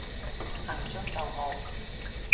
行將就木